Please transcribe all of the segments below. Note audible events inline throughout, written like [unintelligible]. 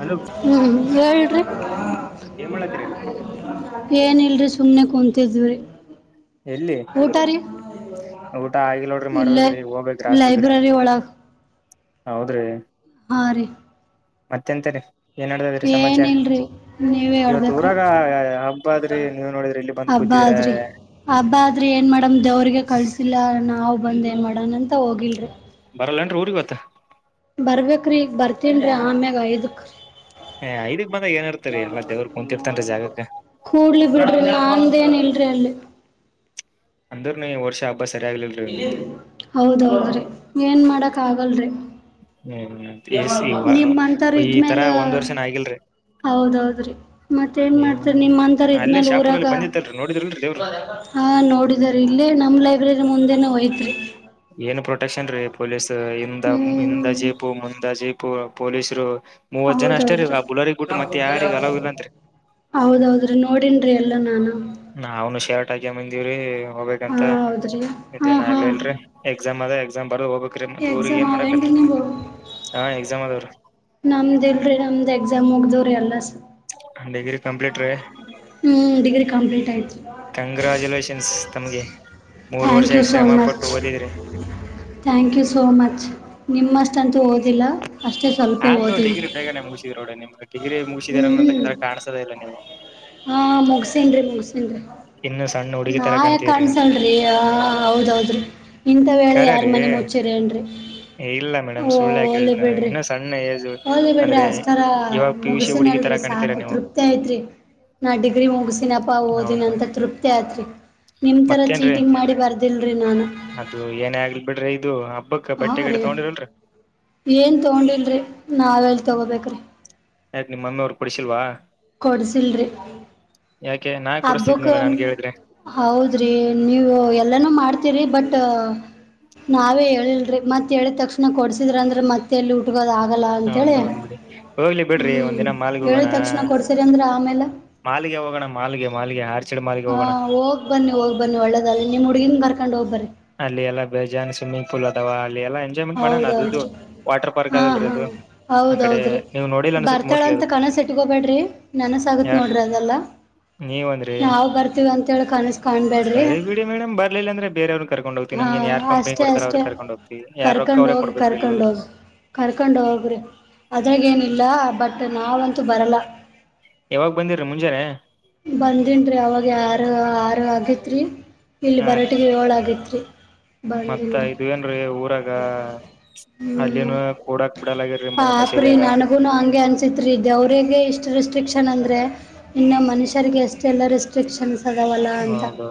Hello ಹ್ಮ್ ಹೇಳ್ರಿ. ಏನ್ ಮಾಡತ್ತೀರಿ ಏನಲ್ರಿ ಸುಮ್ಮ್ನೆ ಕುೂತಿದ್ವಿರೀ ಎಲ್ಲಿ ಊಟ ರೀ. ಊಟ ಆಗಿಲೋಡ್ರಿ ಇಲ್ಲೇ ಮಾಡ್ಬೇಕೇ್ರಿ ಹೋಗ್ಬೇಕೇ್ರ ಅಷ್ಟಲ್ ಕಡೆ ಲೈಬ್ರರಿ ಒಳಗೆ ಹೌದ್ರಿ. ಹಾಂ ರೀ ಮತ್ತೆಂತಾರಿ. ಏನ್ಡತಾದ್ರೀ ಸಮಾಚಾರ ಏನಿಲ್ರಿ ನೀವೇ ಇವತ್ ಹೇಳ್ಬೇಕ್ರಿ ಊರಾಗ ಹಬ್ಬ ಆದ್ರಿ ನೀವ್ ನೋಡಿದ್ರಿ ಇಲ್ಲಿ ಬಂದ್ ಕೂತಿ ರ. ಹಬ್ಬಾ ಆದ್ರಿ ಏನ್ ಮಾಡೇಡಮ್ ದೇವ್ರಿಗೆ ಕಳ್ಸಿಲ್ಲ ನಾವವು ಬಂದೇ ಮಾಡಣ ಅಂತ ಹೋಗಿಲ್ರಿ. [unintelligible] ಬರ್ಬೇಕ್ರೀ ಈಗ ಬರ್ತೀನ್ರೀ ಆಮ್ಯಾಗ ಐದಕ. ಏ ಐದಕ್ ಬಂದಾಗ ಏನ್ ಇರ್ತರಿ ಎಲ್ಲಾ ದೇವ್ರ ಕುಂತಿರ್ತನ್ರಿ ಜಾಗಕ್ಕ ಕೂಡ್ಲಿ ಬಿಡ್ರಿ ನಾಂದೇನ್ ಇಲ್ರಿ ಅಲ್ಲಿ. ಅಂದ್ರುನು ಈ ವರ್ಷ ಹ ಹೌದೌದ್ರಿ ಏನ್ ಮಾಡಕ್ ಆಗಲ್ರಿ. ಹ್ಮ್ [unintelligible] ಈ ತರಾ ಇದ್ಮೇಲೆ ಒಂದ್ ವರ್ಷನ ಆಗಿಲ್ರಿ. ಹೌದೌದ್ರಿ ಮತ್ತ ಏನ್ ಹ್ಮ್ ಮಾಡ್ತರಿ ನಿಮ್ಮ ಅಂತರ ಅಲ್ಲೇ ಇದ್ಮ್ಯಾಲ ಊರಾಗ. ಶಾಪುರಲ್ಲಿ ಬಂದಿತ್ತಲ್ರಿ ನೋಡಿದ್ರಲ್ರಿ ದೇವ್ರ ಹಾ ನೋಡಿದ ರ ಇಲ್ಲೇ ನಮ್ಮ ಲೈಬ್ರರಿ ಮುಂದೆ ಹೋಯ್ತ್ ರಿ. ಏನ್ ಪ್ರೊಟೆಕ್ಷನ್ ರೀ ಪೊಲೀಸ್ ಹಿಂದ ಹಿಂದ ಹ್ಮ್ ಜೀಪು ಮುಂದ ಜೀಪು ಪೊಲೀಸರು. ಮೂವತ್ ಜನ ಅಷ್ಟೇ ರೀ ಹೌದೌದ್ರಿ ಆ ಬುಲರಿಗ್ ಗುಟ್ಟು ಮತ್ತತ್ ಯಾರಗ ಅಲ ಇಲ್ಲಂರಿ. ಹೌದೌದ್ರಿ ನೋಡನ್ರರಿ ಎಲ್ಲಾ ನಾನು. ನ್ನು ಶರ್ಟ್ ಆಗ್ಯ ಬಂದಿವ್ರಿ. ಹಾ ಹೋಗ್ಬೇಕಂತ ಹೌದ್ರಿ ಹಾ ಇದೇನ ಹಾ ಆಗ್ಲಿ ಇಲ್ರರಿ ಎಕ್ಸಾಮ್ ಅದ. ಬರದ ಹೋಗ್ಬೇಕ್ರೀ ಮತ್ತ ಊರ್ಗ್ ಎಕ್ಸಾಮ್ ಏನ್ ಅವೇನ್ರಿ ಮಾಡಕತ್ರಿ. ನಿಮ್ವು ಹಾ ಎಕ್ಸಾಮ್ ಅದಾವ್ರಿ ನಮ್ದ ಇಲ್ರಿ ನಮ್ದ್ ಎಕ್ಸಾಮ್ ಹೋಗ್ದವ್ರಿ ಅಲ್ಲ. ಡಿಗ್ರಿ ಕಂಪ್ಲೀಟ್ ರೀ. ಹ್ಮ ಡಿಗ್ರಿ ಕಂಪ್ಲೀಟ್ ಆಯ್ತು. ಕಂಗ್ರಾಜುಲೇಷನ್ಸ್ ತಮಗೆ ಮೂರ್ ಥ್ಯಾಂಕ್ ವರ್ಷ ಯು ಸೋ ಶ್ರಮ ಮಚ್ ಪಟ್ಟು ಓದಿದ್ರಿ. ಥ್ಯಾಂಕ್ ಯು ಸೋ ಮಚ್ ನಿಮ್ಮಷ್ಟಂತೂ ಓದಿಲ್ಲ. ಅಷ್ಟೇ ಸ್ವಲ್ಪೇ ಆದ್ರೂ ಓದಿನಿ ಡಿಗ್ರಿ ಬೇಗನೆ ಮುಗಸಿದ್ರ ನೋಡಿ ನಿಮ್ ಡಿರಿ ಮುಗಿದೀರ ಹ್ಮ್ ಅನ್ನೋಂತ ಕಾಣಸದ ಇಲ್ಲ ನೀವು. ಹಾ ಮುಗಸೇನ್ ರಿ ಮುಗಸೇನ್ ರಿ. ಇನ್ನು ಸಣ್ಣ ಹುಡುಗಿ ನಾ ತರ ಯ ಕಾಣ್ತಿದ್ರಿ ನೀವು ಕಾಣಸಲ್ರಿ ಆ ಹೌದ್ ಹೌದ್ರಿ. ಇಂಥ ವೇಳೆ ಖರೆ ಯಾರು ರೀ ಮನೆ ಮುಚ್ಚಿರಿ ಏನುರಿ. ಇಲ್ಲ ಮೇಡಮ್ ಸುಳ್ಳು ಯಾಕ ಇನ್ನು ಸಣ್ಣ ಏಜ ಹೋಗ್ಲಿ ಬಿಡ್ರಿ ಅಂದ್ರೆ ಅಷ್ಟರ ಇವಾಗ ಪಿಯುಸಿ ಹುಡುಗಿ. ತರ ಮುಗಿಸಿನಲ್ರಿ ಕಾಣ್ತೀರಾ ಸಾಕು ನೀವು ತೃಪ್ತಿ ಐತ್ರಿ ನಾ ಡಿಗ್ರಿ ಮುಗಸಿನಪ್ಪಾ ಓದಿನ ನಾವೊಂದು ಅಂತ ತೃಪ್ತಿ. ತ್ರಿ ನಿಮ ತರ ಮತ್ತೇನ್ರೀ ಚೀಟಿಂಗ್ ಮಾಡಿ ಬರ್ದಿಲ್ರಿ ನಾನು. ಅದು ಏನೇ ಆಗ್ಲಿ ಬಿಡ್ರಿ ಇದು ಹಬ್ಬಕ್ ಹಾ ಬಟ್ಟೆ ರೀ ಗಿಟ್ಟೆ ತಗೊಂಡಿರಲ್ರಿ ಏನ್ ತಗೊಂಡಿಲ್ರಿ ನಾವಲ್ ತಗೋಬೇಕ್ರಿ. ಆಯ್ತತ್ ನಿಮ್ಮಿ ಅವ್ರರು ಕೊಡ್ಸಿಲ್ವ. ಕೊಡ್ಸಿಲ್ರಿ. ಯಾಕೆ ನಾ ಹಬ್ಬಕ್ ಕೊಡಿಸ್ತಿದ್ನಲ್ಲ ನನ್ಗೆ ಹೇಳಿದ್ರೆ ಹೌದ್ರಿ ನೀವು ಎಲ್ಲಾನೂ ಮಾಡ್ತೀರಿ ಬಟ್. ನಾವೇ ಹೇಳಲ್ರಿ ಮತ್ತೆ ಹೇಳಿದ ತಕ್ಷಣ ಕೊಡ್ಸಿದ್ರ ಅಂದ್ರೆ ಮತ್ತೆ ಎಲ್ಲಿ ಊಟ. ಹಗೋದ ಆಗಲ್ಲ ಅಂತೇಳಿ ಹೌದು ಬಿಡಿ ಹೋಗ್ಲಿ ಬಿಡ್ರಿ ಹ್ಮ್ ಒಂದಿನ ಹೇಳಿದ ತಕ್ಷಣ ಕೊಡ್ಸಿರಿ ಅಂದ್ರ ಆಮೇಲೆ. ಮಾಲಗೆ ಹೋಗೋಣ ಮಾಲ್ಗೆ ಮಾಲ್ಗೆ ಹ. ಹಾ ಹೋಗ್ ಬನ್ನಿ ಹೋಗ್ ಬನ್ನಿ ಒಳ್ಳೆದಾಗಲಿ ನಿಮ್ ಹುಡ್ಗಿನ್ ಬರ್ಕೊಂಡ್ ಹೋಗ್ಬರಿ. [unintelligible] ಎಲ್ಲ ಎಂಜಾಯ್ಮೆಂಟ್ ಮಾಡಣ ಅದುದು ಹೌದೌದ್ರಿ ವಾಟರ್ ಪಾರ್ಕ್ ಹಾ ಅಲ್ರಿ ಹಾ ಅದು ಆ ಕಡೆ ಹೌದೌದ್ರಿ ನೀವು ನೋಡಿ ಅನ್ಸೆ ಬರ್ತಾಳ ಮೋಸ್ಟ್ಲಿ. ಅಂತ ಅದು ಕನಸೆಟ್ಗೋಗಬೇಡ್ರಿ ನೆನಸ ಆಗತ್ ನೋಡ್ರಿ ಅಂದಲ್ಲಾ. ನೀವ್ಂದ್ರಿ ಕನಸು ಕಾಣ್ಬೇಡ್ರಿ ಸರಿ ಬಿಡಿ ಮೇಡಮ್ ಬರ್ಲಿಲ್ಲ ಅಂದ್ರೆ ಬೇರೆಯವ್ರ ಕರ್ೊಂಡ ಹೋಗ್ತಿ ನಮ ಏ ಯಾರ್ ಕಂಪನಿಡ್ತಾರೆ ಅವ್ರ ಕರ್ಕೊಂಡು ಹೋಗ್ತೀನಿ. ಕರ್ಕೊಂಡ ಹೋಗಿ ಕರ್ಕೊಂಡ ಹೋಗಿ ಕರ್ಕೊಂಡ ಹೋಗ್ರಿ ಅದ್ರಾಗ ಏನಿಲ್ಲ ಬಟ್. ಅದ ನಾವಂತೂ ಬರಲ್ಲ. ಯಾವಾಗ ಬಂದಿರಿ ಮುಂಜಾನೆ. ಬಂದನ್ ರೀ ಅವಾಗ ಆರು ಆರು ಆಗೈತ್ ರೀ ಇಲ್ಲಿ ಹಾ ಬರಟಿಗೆ ಏಳು ಆಗೈತ್ ರೀ. ಮತ್ತ ಇ ಏನ್ರೀ ಊರಾಗ ಅಲ್ಲಿನು ಕೂಡಕ್ ಬಿಡಲ್ಗರಿ ಮೈ. ಅಪ್ರೀ ನನಗುನು ಹಂಗೆ ಅನ್ಸಿತ್ ರಿ ದೇವ್ರಗೆ ಇಷ್ಟು ರಿಸ್ಟ್ರಿ ಕ್ಷ ಅಂದ್ರೆ ಇನ್ನು ಮನುಷರಿಗೆ ಅಷ್ಟೆಲ್ಲ ರೆಸ್ಟ್ರಿಕ್ಷನ್ಸ್. ಅದಾವಲ್ಲ ಅಂತ ಹೌದೌ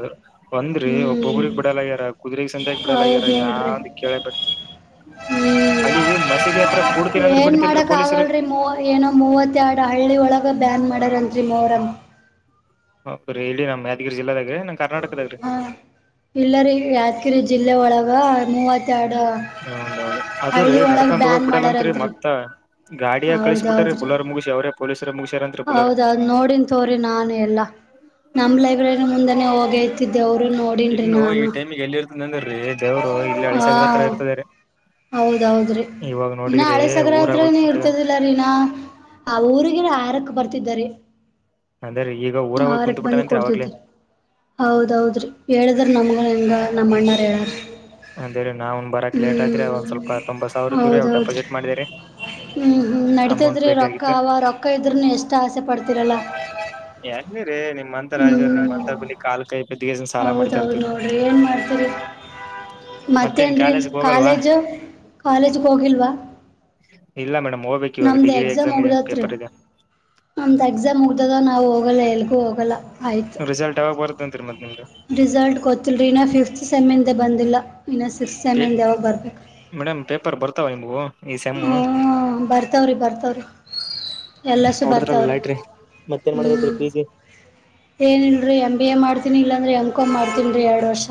ಒಂದ್ರಿ ಹ್ಮ್ ಒಬ್ಬೊಬ್ರಗ್ ಬಿಡಲ್ಗ್ಯಾರ ಕುದು್ರಗ್ ಸಂತೆಗ ಹೌದ್ ಬಿಡಲ್ಗ್ಯಾರ ನೋಡ್ರಿ ಯಾಂದ. ಕೆೇಳ ಹ್ಮ್ ಅದವಿ ಮಸೀದಿ ಹತ್ರ ಕೂಡ್ತೀರ ಅಂದ್ರೆ ಏನ್ ಬಿಡ್ತಿಲ್ರರಿ ಮಾಡಕ್ ಪೊಲೀಸರು. ಆಗಲ್ರಿ ಮೂವ ಏನೋ ಮೂವತ್ತೆರಡು ಹಳ್ಳಿ ಒಳಗೆ ಬ್ಯಾನ್ ಮಾಡೋರಂತಿ ಮೊರಂ. ಹರಿ ಹೇಳಿ ನಮ್ಮ್ ಯಾದಗಿರಿ ಜಿಲ್ಲೆಗ. ಹ ಎಲ್ಲರಿ ಯಾದಗಿರಿ ಜಿಲ್ಲೆ ಒಳಗ ಮೂವತ್ತ ಎರಡು. ಹೌದೌ ಅದ್ರೀ ನಡ್ಕೊಂಡ ಹೋಗಕ್ ಬಿಡಲ್ಲತ್ರಿ ಮಾಡ್ಯಾರಂತ್ರಿ ಮತ್ತ. ಗಾಡಿಯಾ ಕಳಿಸಿ ಬಿಟ್ಟರೀ ಬುಲರ್ ಮುಗಿಸಿ ಅವ್ರ ಪೊಲೀಸ್. ಹೌದೌ ನೋಡನ್ ತೋರಿ ನಾನೇ ಎಲ್ಲ ನಮ್ ಲೈಬ್ರರಿ ಮುಂದೆನೆೇ ಹೋಗೇ. ಇನ್ನು ಈ ಟೈಮಿಗೆ ಎಲ್ಲಿ ಇರ್ತದೆ ಅಂದ್ರೀ ದೇವರು ಇಲ್ಲಿ ಹಳಿ ಹಾ ಸಕರ ಹತ್ರ ಇರ್ತದಾರೆ. ಹೌದೌದ್ರಿ. ಇನ್ನ ಹಳೆ ಸಗರ ಊರಾಗ ಹೋಗಿ ಹತ್ರನ ಕುಂತಿದಾನ ಇರ್ತದಿಲ್ಲರಿನಾ ಆ ಊರಿಗ ಆರಕ್ ಬರ್ತ ತಿದರಿ ಅಂದ್ರ ಈಗ ಊರಾಗ ಹೋಗಿ [unintelligible] ಕುಂತ್ ಬಂದ್ ಬಿಟ್ಟಾನಂತ್ರಿ ಅವಾಗ್ಲೇ ಕುಡ್ತಿದ್ರರಿ ಹೌದೌದ್ರಿ ಹೇಳ [unintelligible] ನಮ್ಗ ಹೆಂಗ ನಮ್ಮ ಅಣ್ಣ ಹೇಳರೀ ಅಂದೇ ರಿ ನಾವುನ್ ಬರಕ್ ಲೇಟಾಯಿತ್ರಿ, ಆದ್ ಒಂದ್ ಸ್ವಲ್ಪ ತಂಬತ್ ಸಾವಿರ ಇದ್ದ್ರೀ ಅವ್ ಹೌದೌದ್ರಿ ಡೆಪಾಸಿಟ್ ಮಾಡೇರಿ. ಹ್ಮ್ ಹ್ಮ ನಡತದ್ರಿ ರೊಕ್ಕ ಅವ ರೊಕ್ಕ ಇದ್ರೂನು ಎಷ್ಟ ಆಸೆ ಪಡ್ತೀರಲ್ಲ. [unintelligible] ನಿಮ್ ಅಂತಾರ್ [unintelligible] ನಿಮ್ಂತ ಬುಲಿ ಕಾಲ್ ಕಾಯಿ ಬಿದ್ದಗಸಿ ಸಾಲ ಮಾಡ್ ತರ್ತೀತಿವಿ. ಮತ್ತೇನ್ರಿ ಕಾಲೇಜು ಕಾಲೇಜಗೆ ಹೋಗಿಲ್ವಾ. ಇಲ್ಲ ಮೇಡಮ್ ಹೋಗ್ಬೇಕು ಇವಾಗ ನಮ್ದ ಡಿಗ್ರಿ ಎಕ್ಸಾಮ್ ಇದೆ ಮುಗ್ದತ್ರರಿ ಪೇಪರ್ ಇದೆ ನಮ್ದ್ ಎಕ್ಸಾಮ್ ಮುಗ್ದದ ನಾವು ಹೋಗಲ್ಲ ಎಲ್ಲಿಗೂ ಹೋಗಲ್ ರಿಸಲ್ಟ್ ಯಾವಾಗ ಬರುತ್ತಂತ್ರಿ ನಿಮ್ದು ರಿಸಲ್ಟ್ ಗೊತಿಲ್ರಿ ಇನ್ನ ಫಿಫ್ತಿ ಸೆಮಿಂದೆ ಬಂದಿಲ್ಲ. ಇನ್ನ ಸಿಕ್ಸ್ತ್ ಪೇ ಸೆಮಿಂದ ಯಾವಾಗ ಮೇಡಮ್ ಪೇಪರ್ ಬರ್ತಾವ ನಿಮಗೂ. ಹುಂ ಬರ್ತವ್ರಿ ಬರ್ತವ್ರಿ. ಎಲ್ಲಸು ಹೊಡದ್ರಲ್ಲ ಬರ್ತಾವ್ರಿ. ಲೈಟ್ರಿ ಮತ್ತೇನ್ ಮಾಡ್ಬೇಕ್ರಿ ಹ್ಮ್ ಪಿ ಜಿ ಏನಲ್ರರಿ ಎಮ್ ಬಿ ಎ ಮಾಡ್ತೀನಿ ಇಲ್ಲಾಂದ್ರೆ ಎಮ್ ಕಂ ಮಾಡ್ತೀನ್ರೀ ಎರಡು ವರ್ಷ.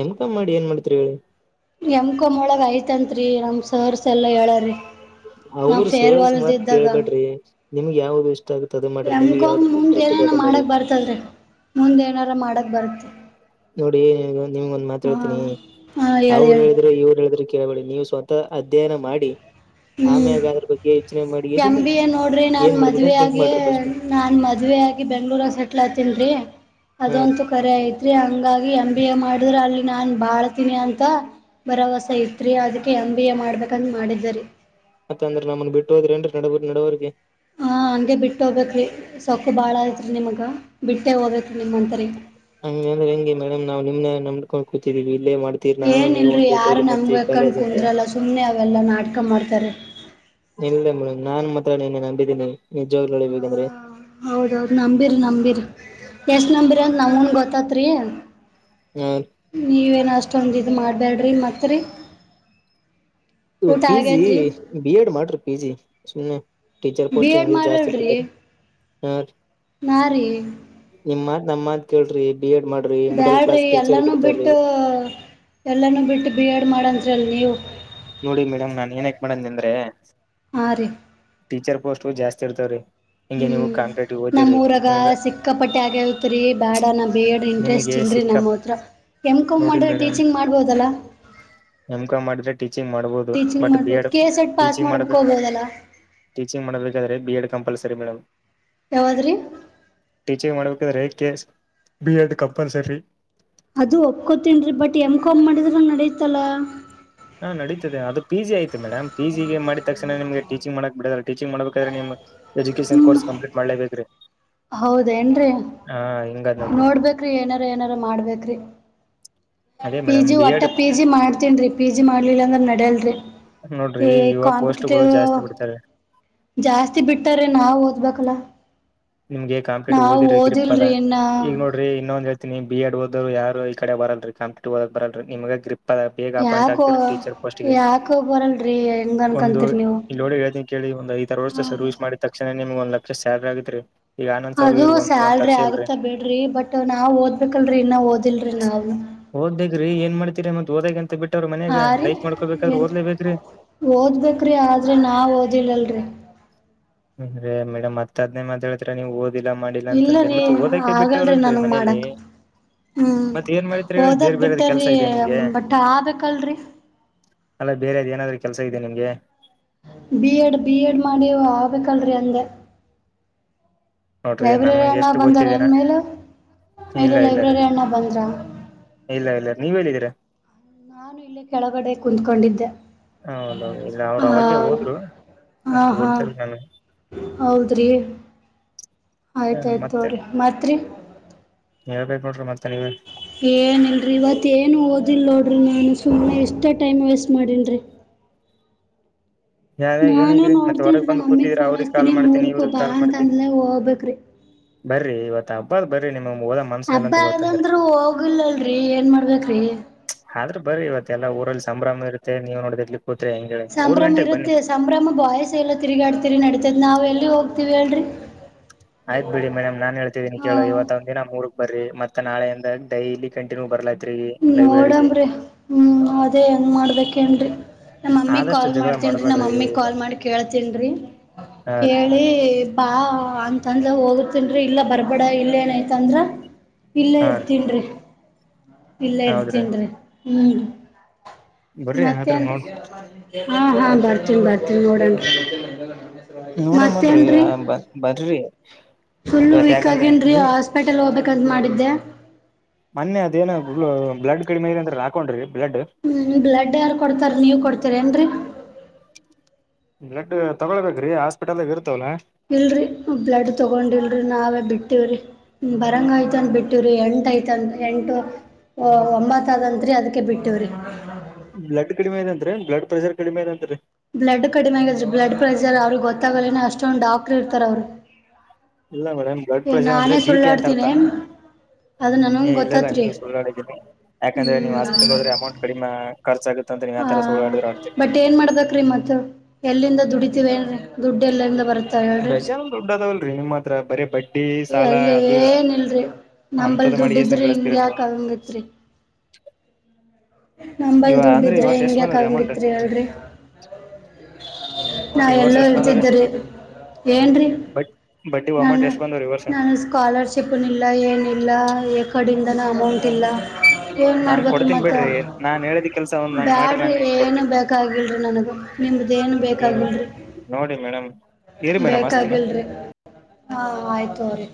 ಎಂ ಕಾಂ ಮಾಡಿ ಏನ್ ಮಾಡ್ತಿರಿ ಹೇಳಿ. ಎಂ ಕಾಂ ಓಳಗ ಐತಂತ್ರಿ ನಮ್ ಸರ್ಸ್ ಎಲ್ಲಾ ಹೇಳಾರಿ. ನಾವ್ ಅವರು ಸರ್ಸ ಫೇರ್ವಲ್ದ ಮತ್ ಕೇಳ್ಬೇಡ್ರಿ ನಿಮ್ಗೆ ಯಾವ್ದು ಆಗುತ್ತೆ ಅದು ಮಾಡ್ರಿ ಎಮ್ ನಿಮ್ಗ್ ಕಾಂ ಯಾವ್ದ್ರಲ್ಲಿ ಮುಂದ್ ಇಂಟ್ರೆಸ್ಟ್ ಇದೆ ಏನೇನ ಅದು ಮಾಡಿ ಮಾಡಕ್ ಬರ್ತದ್ರಿ ಮುಂದ್ ಏನಾರ ಮಾಡಕ್ ಬರತ್ತ ನೋಡಿ ನಿಮ್ಗ ಒಂದ್ ಮಾತ ಹೇಳ್ತೀನಿ ಹಾ ಹೇಳಿ ಅವ್ರ್ ಹೇಳಿ ಹೇಳಿದ್ರೆ ಇವ್ರು ಹೇಳಿದ್ರೆ ಕೇಳಬೇಡಿ. ಸ್ವತಃ ಅಧ್ಯಯನ ಮಾಡಿ ಆಮ್ಯಗಾರ ಬಗ್ಗೆ ಯೋಚನೆ ಮಾಡಿ ಎಮ್ ಎಸಿಂದ ಬಿ ಎ ನೋಡ್ರಿ ನಾನ್ ಏನ್ ಮದುವ ಮಾಡ್ಬೇಕಂತ ಥಿಂಕ್ ಆಗಿ ಮಾಡ್ರಿ ಫಸ್ಟ್ ನಾನ್ ಮದವಿ ಆಗಿ ಬೆಂಗ್ಳೂರಗ ಸೆಟ್ಲ್ ಆತ [unintelligible] ಹಾ ರೀ ಅದಂತೂ ಕರೆ ಐತ್ರಿ ಹಂಗಾಗಿ ಎ ಬಿ ಎ ಮಾಡ ಅಲ್ಲಿ ನಾನ್ ಬಾಳ್ತೀನಿ ಅಂತ ಭರವಸ ಇತ್ರಿ ಅದಕ್ಕೆ ಎಂ ಬಿ ಎ ಮಾಡ್ಬೇಕಂತ ಮಾಡಿದೆರಿ. ಮತ್ತ ಅಂದ್ರೆ ನಮ್ಮನ್ ಬಿಟ್ಟು ಹೋದಂದ್ರೆ ನಡ [unintelligible] ನಡವ್ರರಿಗೆ ಹ ಹಂಗೆ ಬಿಟ್ಟ ಹೋಗಬೇಕ್ರಿ ರೀ ಸೊಕ್ಕು ಬಾಳ ಐತ್ರಿ ನಿಮಗ. ಬಿಟ್ಟೇ ಹೋಗ್ಬೇ ಹಂಗಂದ್ರೆ ಹೆಂಗೆ ಮೇಡಮ್ ನಾವು ನಿಮ್ಮನೆ ನಂಬ್ಕೊಂಡು ಕೂತಿದೀವಿ. ಇಲ್ಲೇ ಮಾಡ್ತೀರಿ ನಾನು ನೀವು ಏನಿಲ್ರಿ ಒಂದೇ ಯಾರು ತೋಲಿ ನಮ್ಗೆ ಮಾಡ್ತೀವಿ ಬೆಕಂಡ್ ಕಾಲೇಜ್ ಅಂತ ಕುಂದ್ರಲ್ಲ ಸುಮ್ನೆ ಅವೆಲ್ಲ ನಾಟಕ ಮಾಡ್ತಾರೆ. ಇಲ್ಲೇ ಮಾ ನಾನ್ ಮಾತ್ರನಿನ್ನ ನಂಬಿದ್ದೀನಿ ಹಾ ನಿಜವಾಗಲೂಹೇಳ್ಬೇಕಂದ್ರೆ. ಹೌದೌದು ನಂಬಿರಿ ನಂಬಿರಿ ಎಷ್ಟ್ ನಂಬಿರಿ ಅಂತ ನಮನ್ ಗೊತ್ತತ್ರಿ ಹಾ ನೀವೇನ ಅಷ್ಟೊಂದು ಇದ್ ಮಾಡ್ಬ್ಯಾಡ್ರಿ ಮಾತ್ರಿ. ಪಿ ಜಿ ಬಿ ಎಡ್ ಮಾಡ್ರಿ ಪಿ ಜಿ ಸುಮ್ಮನೆ ಟೀಚರ್ ಬಿ ಪೋಸ್ಟ್ ಎಡ್ ಏಗಿದ್ರು ಜಾಸ್ತಿ ಮಾಡಲ್ರಿ ಬಿಡ್ತಾರೆ ಹರಿ ನಾ ರೀ ನಿಮ್ಮ ನಮ್ಮತ್ ಕೇಳ್ರಿ. ಬಿ ಎಡ್ ಮಾಡ್ರಿ ಮಿಡಲ್ ಬ್ಯಾಡ್ರಿ ಕ್ಲಾಸ್ ಟೀಚರ್ ಎಲ್ಲಾನೂ ಬಿಡ್ತಾರೀ ಬಿಟ್ಟು ಹೂ ಎಲ್ಲಾನೂ ಬಿಟ್ಟು ಬಿ ಎಡ್ ಮಾಡಂ [unintelligible] ನೋಡಿ ಮೇಡಮ್ ನಾನ್ ಏನ್ ಯಾಕ್ ಮಾಡನ್ ಅಂದ್ರೆ ಆರಿ ಟೀಚರ್ ಪೋಸ್ಟ್ ಜಾಸ್ತಿ ಇರ್ತವ ರೀ. ಹ್ಮ್ ನಮ ಊರಾಗ ಸಿಕ್ಕಾಪಟ್ಟಿ ಆಗ್ಯತ್ರಿ ಬೇಡ ನಾ ಬಿ ಎಡ್ ಇಂಟ್ರೆಸ್ಟ್ ನಿಮಗೆ ಇಂಗ ಸಿಕ್ಕಪ್ ನಮ್ಮ ಹತ್ರ ಎಮ್ ಕಾಂ ನೋಡಿ ಮಾಡದ್ರ ಮೇಡಮ್ ಟೀಚಿಂಗ್ ಮಾಡ್ಬೋದಲ್ಲ. ಎಂ ಕಾಂ ಮಾಡರಿ. ಟೀಚಿಂಗ್ ಮಾಡ್ಬಹುದು ಟೀಚಿಂಗ್ ಬಟ್ ಬಿ ಮಾಡ್ಬೋದು Ed K A set pass teaching ಮಾಡ್ಬೇಕು ಮಾಡಬೇಕ ಹೋಗ್ಬೋದಲ್ಲ ಟೀಚಿಂಗ್ ಮಾಡಬೇಕಾದ್ರೆ ಬಿ ಎಡ್ ಕಂಪಲ್ಸರಿ ಮೇಡಮ್. ಯಾವಾದ್ರೀ ಎ [unintelligible] ಕೆಸ್ ಬಿ ಎಡ್ ಕಂಪಲ್ಸರಿ ಅದು ಒಪ್ಕೋತನ್ರೀ ಬಟ್ ಎಮ್ ಕಮ್ ಮಾಡಿದ್ರ ನಡೀತಲ್ಲ. ಹಾ ನಡೀತದೆ ಅದು ಪಿ ಜಿ ಆಯ್ತು ಮೇಡಮ್ ಪಿ ಜಿ ಗೆ ಮಾಡಿದ ತಕ್ಷಣ ನಿಮಗೆ ಟೀಚಿಂಗ್ ಮಾಡಕ್ ಬಿಡದ ಟೀಚಿಂಗ್ ಮಾಡಬೇಕಾದ್ರೆ ನಿಮ ಎಜುಕೇಶನ್ ಕೋರ್ ಕಂಪ್ಲೀಟ್ ಮಾಡಲೇಬೇಕ್ರೀ. ಹೌದೇ ಏನ್ರಿ ಹಿಂಗದ್ ನೋಡ್ರಿ ನೋಡ್ಬೇಕ್ರಿ ಏನಾರ ಏನಾರ ಮಾಡ್ಬೇಕ್ರಿ ಅದೇ ಪಿ ಮೇಡಮ್ ಜಿ ಬಿ ಒಟ್ಟ ಎಡ್ ಪಿ ಜಿ ಮಾಡ್ತನ್ ರಿ ಪಿ ಜಿ ಮಾಡ್ಲಿಲ್ಲ ಅಂದ್ರ ನಡಿಯಲ್ರಿ ನೋಡ್ರಿ ಈ ಇವ ಪೋಸ್ಟ್ಗಳು ಕಾಂಪಿಟೇಟಿವ್ ಜಾಸ್ತಿ ಬಿಡ್ತಾರೆ ಜಾಸ್ತಿ ಬಿಡ್ತಾರೆ ನಾವ್ ಓದ್ಬೇಕಲ್ಲ ನಿಮ್ಗೆ ಕಂಪ್ಲೀಟ್ ನಾವ್ ಓದಿರಿ ಗ್ರಿಪ್ ಅದ ಓದಿಲ್ರಿ ಇನ್ನ ಈಗ ನೋಡ್ರಿ ಇನ್ನೊಂದು ಹೇಳ್ ಬಿ ಎಡ್ ಓದ್ವರು ಯಾರು ಈ ಕಡೆ ಬರಲ್ಲರರಿ ಕಂಪೇಟಟಿವ್ ಓದಕ್ ಬರಲ್ರಿ ನಿಮಗ ಗ್ರಿಪ್ ಈಗ ಅಪಾಯಿಂಟ್ ಯಾಕೋ ಆಗ್ತರ ಟೀಚರ್ ಪೋಸ್ಟ್ಗೆ ಯಾಕೋ ಬರಲ್ರಿ ಹೆಂಗ್ ಒಂದು ಅನ್ಕಂತೀರಿ ನೀವು ಇಲ್ ನೋಡಿ ಹೇಳ್ತಿ ಕೇಳಿ ಒಂದ್ ಐದ್ ಆರ್ ವರ್ಷ ಸರ್ವಿಸ್ ಮಾಡಿದ ತಕ್ಷಣೇ ನಿಮ್ ಒಂದ್ ಲಕ್ಷ ಸಲ್ಲಾರಿ ಆಗುತ್ತೆ ರಿ ಅದು ಸ್ಯಾಲ್ರಿ ಆಗುತ್ತ ಬಿಡ್ರಿ ಬಟ್ ನಾವ್ ಓದ್ಬೇಕಲ್ರರಿ ಇನ್ನ ಓದಿಲ್ರಿ ನಾವು ಓದ್ದೇಗ್ರಿ ಏನ್ ಮಾಡ್ತೀರಿ ಮತ್ ಓದಕ್ ಅಂತ ಬಿಟ್ಟವ್ರ ಹಾ ಮನೆಯಾಗ ರೀ ಲೈಫ್ ಮಾಡ್ಕೋಬೇಕಾದ್ರ ಏನ್ ಓದ್ಲೇ ಬೇಕ್ರಿ ಓದ್ಬೇಕ್ರಿ ಆದ್ರೆ ನಾವ್ ಓದಿಲ್ಲರಿ ಹ್ಮ ರ ಮೇಡಮ್ ಮತ್ ಅದ್ನೇ ಮಾತಾಡ್ತಿರ ನೀವು ಓದ್ ಹದಿಲ್ಲ ಮಾಡಿಲ್ಲಾ ಇಲ್ಲ ಅಂತಂದ್ರೆ ರೀ ಮತ್ತು ಓದಕ್ಕೆ ಆಗಲ್ರಿ ಬಿಟ್ಟವ್ರಲ್ರರಿ ನನಗ್ ಮನೇಲಿ ಮಾಡಕ್ ಹ್ಮ್ ಮತ್ತೆ ಏನ್ ಮಾಡಿತ್ರೆ ಹೇಳಿ ಓದಕ್ ಬೇರೆ ಬೇರೆದ್ ಕೆಲಸ ಬಿಟ್ಟಾರ್ರಿ ಇದಿಯ ನಿಮಗೆ ಬಟ್ ಆಬೇಕಲ್ರಿ ಅಲ್ಲ ಬೇರೆದ್ ಏನಾದ್ರೂ ಕೆಲ್ಸ ಇದಿಯ ನಿಮ್ಗೆ ಬಿ ಎಡ್ ಬಿ ಎಡ್ ಮಾಡಿ [unintelligible] ನೋಡ್ರಿ ನನ್ಗೆ ಎಷ್ಟು ಗೊತ್ತಿದೆನಾ ಮೇಲೆ ಇಲ್ಲ ಇಲ್ಲ ರೀ ಲೈಬ್ರರಿ ಅಣ್ಣ ಬಂದ್ರ ಇಲ್ಲ ಇಲ್ಲ ನೀವ್ ಹೇಳಿದೀರಾ ನಾನು ಇಲ್ಲಿ ಕೆಳಗಡೆ ಕುತ್ಕೊಂಡಿದ್ದೆ ಹೌದೌದು ಇಲ್ಲ ಅವ್ರು ಹ ಅವಾಗೆ ಹೋದ್ರು ಹಾ ಅಷ್ಟು ಹಾ ಗೊತ್ತಿಲ್ಲ ನನಗೆ ಹೌದ್ರಿ ಆಯ್ತಾಯ್ತ ಮತ್ತೆ ತೋರಿ ಮತ್ರಿ ಹೇಳ್ಬೇಕ್ ನೋಡ್ರಿ ಮತ್ತೆ ನೀವೆ ಏನಲ್ರರಿ ಇವತ್ ಏನು ಓದಿಲ್ಲ ನೋಡ್ರಿ ನಾನು ಸುಮ್ನೆ ಎಷ್ಟ್ ಟೈಮ್ ವೇಸ್ಟ್ ಮಾಡಿಲ್ರಿ ಏಯ್ ಏನಿಕ್ರಿ ಮತ್ತೆ ಹೊರಗ್ ರೀ ಬಂದ್ ನಮ್ಮ ಮಮ್ಮಿಗೆ ಕೂತಿದಿರ ಫೋನ್ ಅವ್ರಿಗೆ ಕಾಲ್ ಹಚ್ತೀನಿ ಮಾಡ್ತೀನಿ ಮೂರಕ್ಕೆ ಇವ್ರಗ್ ಬಾ ಕಾಲ್ ಮಾಡ್ತೀನಿ ಅಂತಂದ್ಲೆ ಹೋಗ್ಬೇಕ್ರಿ ಬರ್ರಿ ಇವತ್ ಹಬ್ಬದ ಬರ್ರಿ ನೀ ಹಬ್ಬ ಅಂದ್ರರು ಹೋಗಿಲ್ಲಲ್ರರಿ ಏನ್ ಮಾಡ್ಬೇಕ್ರಿ ಬರರಿ ಇವತ್ತು ಎಲ್ಲ ಊರಲ್ಲಿ ಸಂಭ್ರಮ ಇರುತ್ತೆ ನೀವು ನೋಡಿದ್ರ ಇಲಿ ಕೂತ್ರಿ ಹೆಂಗೆ ಹೇಳಿ ಮೂರ್ ಸಂಭ್ರಮ ಗಂಟೆ ಸಂಭ್ರಮ ಬಾಯಸ ಎಲ್ಲ ತಿರುಗಾಡ್ ತಿರಿ ನಡೀತದ್ ನಾವು ಎಲ್ಲಿ ಹೋಗ ಆಯ್ತ್ ಬಿಡಿ ಮೇಡಮ್ ನಾನ್ ಹೇಳ್ತಿದ್ದೀನಿ ಹಾ ಕೇಳೋ ಇವತ್ತು ಒಂದ ದಿನ ನಮ್ ಊರುಗ್ ಬರ್ರ ಮತ್ತ ನಾಳೆಯಿಂದ ಡೈಲಿ ಕಂಟಿನ್ಯೂ ಬರ್ಲ ನೋಡನ್ರಿ ಹ್ಮ್ ಅದೇ ಏನ್ ಮಾಡ್ಬೇಕ್ ಹೇಳ್ರಿ ನಮ್ಮಮ್ಮಿ ಆದಷ್ಟು ಕಾಲ್ ಜಗಳ ಮಾಡ್ತನ್ ರಿ ಮಾಡ್ಬೇಡ್ರಿ ನಮ್ಮಮ್ಮಿ ಕಾಲ್ ಮಾಡಿ ಕೇಳ್ತನ್ ಹಾ ರೀ ಕೇಳಿ ಬಾ ಹಾ ಅಂತಂದ ಹೋಗತನ್ರಿ ಇಲ್ಲ ಬರ್ಬೇಡ ಇಲ್ಲ ಏನಯತಂದ್ರ ಇಲ್ಲೆ ಹಾ ರೀ ಇರ್ತೀನ್ ರಿ ಇಲ್ಲೆ ಹೌದ್ರಿ ಇರ್ತೀನ್ರಿ ಹ್ಮ್ ಬರ್ರಿ ಮತ್ತೆ ಆದ್ರ ಏನ್ರಿ ನೋಡ್ ಹಾ ಹಾ ಬರ್ತೀನಿ ಬರ್ತಿ ನೋಡಣ ನೋಡಮಲ್ರಿ ಮತ್ತೇನ್ ರಿ ಬರ್ರಿ ಫುಲ್ ಇವತ್ ವೀಕ್ ಯಾಕಂದ್ರೆ ಆಗೇನ್ರರಿ ನೀ ಹಾಸ್ಪಿಟಲ್ ಹೋಗ್ಬೇಕಂತ್ ಮಾಡಿದ್ದೆ ಮೊನ್ನೆ ಅದೇನೋ ಬ್ಲಡ್ ಕಡಿಮೆ ಇದೆ ಅಂದ್ರ ಹಾಕೊಂಡ್ರಿ ಬ್ಲಡ್ ಹ್ಮ ಬ್ಲಡ್ ಯಾರು ಕೊಡ್ತಾರ ನೀವು ಕೊಡ್ತೀರಿ ಏನ್ರರಿ ಬ್ಲಡ್ ತಗೊಳ್ಬೇಕ್ರಿ ಹಾಸ್ಪಿಟಲ್ದಾಗ ಇರ್ತವಲ್ಲಾ ಇಲ್ರರಿ ಬ್ಲಡ್ ತಗೊಂಡಿಲ್ರಿ ನಾವೇ ಬಿಟ್ಟವ್ರಿ ಬರಂಗಯ್ತನ್ ಬಿಟ್ಟಿವವ್ರಿ [unintelligible] ಎಂತ ಐತ್ ಎಂಟು ಒಂಬತ್ತ ಆದಂತ್ರಿ ಅದಿಕ್ಕೆ ಬಿಟ್ಟವ್ರಿ ಬ್ಲಡ್ ಕಡಿಮೆ ಇದಂತ್ರಿ ಬ್ಲಡ್ ಪ್ರೆಷರ್ ಕಡಿಮೆ ಇದೆಂತ್ರಿ ಬ್ಲಡ್ ಕಡಿಮೆ ಆಗಿದರು ಬ್ಲಡ್ ಪ್ರೆಷರ್ ಅವ್ರ ಗೊತ್ತಾಗಲೇನ ಅಷ್ಟೊಂದು ಡಾಕ್ಟ್ರರ್ ಇರ್ತಾರ ಅವ್ರು ಇಲ್ಲ ಮೇಡಮ್ ಬ್ಲಡ್ ಏ ಪ್ರೆಷರ್ ಅಂದ್ರೆ ನಾನೇ ಬಿ ಪಿ ಅಂತರ್ಥ ಸುಳ್ಳಾಡ್ತೀನಿ ಅದು ಏ ನನಂಗೆ ಇಲ್ಲಲ್ಲ ಗೊತ್ತತ್ರಿ ನೀವು ಸುಳ್ಳಾಡಿ ಯಾಕಂದ್ರೆ ನೀವು ಹ್ಮ್ ಹಾಸ್ಪಿಟಲ್ಗೆ ಹೋದ್ರೆ ಅಮೌಂಟ್ ಕಡಿಮೆ ಖರ್ಚ್ ಆಗುತ್ ಹ ಬಟ್ ಏನ್ ಮಾಡ್ಬೇಕ್ ರೀ ಮತ್ತೆ ಎಲ್ಲಿಂದ ದುಡಿ ದುಡ್ಡು ಎಲ್ಲರಿಂದ ಬರುತ್ತೆ ಬಸಾನ್ ದುಡ್ಡ ಅದಾವಲ್ರಿ ನಿಮ್ ಮಾತ್ರ ಬರೀ ಬಟ್ಟೆ ಅಡ್ಡಿ ಸಾಲ ಎಲ್ಲಿ ಅದು ಏನಿಲ್ರಿ ನಂಬಲ್ ಹಂತದು ಮಾಡಿ ದುಡ್ಡಿದ್ರಿ ಸಂಗ್ರಹಿಸ್ತಾಯಿರೋದು ಹಿಂಗ್ಯಾಕ ಆಗಂಗತ್ರಿ ನಂಬಲ್ ಅಂದ್ರೆ ಈ ದುಡ್ಬಿದ್ರ ವರ್ಷ ಎಷ್ಟ್ ಬಂದವ್ರಿ ಅಮೌಂಟ್ ಹೆಂಗ್ಯಾಕಂಗಿತ್ರಿ ಹೇಳ್ರಿ ನಾ ಈ ವರ್ಷ ಎಲ್ಲೋ ಎಷ್ಟ್ ಬಂದವ್ರಿ ಇಳ್ತಿದ್ದರಿ ಏನ್ರರಿ ಬಟ್ ಬಡ್ಡಿ ಅಮೌಂಟ್ ನಾನು ಎಷ್ಟ್ ಬಂದವ್ರಿ ಈ ವರ್ಷ ನಾನು ಸ್ಕಾಲರ್ಶಿಪ್ನ ಇಲ್ಲ ಏನಿಲ್ಲ ಕಡಿಂದನ ಅಮೌಂಟ್ ಇಲ್ಲ ಏನು ನಾನ್ ಮಾಡ್ಬೇಕ್ರೀ ಕೊಡ್ತೀನ್ ಮತ್ತ ಬಿಡ್ರಿ ನಾನ್ ಹೇಳಿದ ಕೆಲ್ಸ ಒಂದ್ ನಂಗ್ ಮಾಡ್ರಿ ಬ್ಯಾಡ್ರಿ ನಾನ್ ನಿಮ್ಗ್ ಏನು ಕೊಡ್ತೀನಿ ಬೇಕಾಗಿಲ್ರಿ ನನಗ ನಿಮ್ದೇಏನ್ ನೀವು ಬೇಕಾಗಿಲ್ರಿ ನೋಡಿ ಮೇಡಮ್ ಇರಿ ಮೇಡಮ್ ಹಸ್ತೀನಿ ಬೇಕಾಗಿಲ್ರಿ ಹಾ ಆಯ್ತರಿ